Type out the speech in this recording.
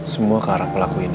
semua ke arah pelaku ini